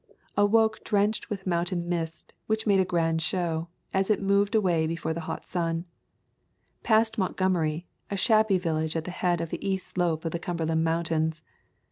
Awoke drenched with moun tain mist, which made a grand show, as it moved away before the hot sun. Passed Mont gomery, a shabby village at the head of the east slope of the Cumberland Mountains.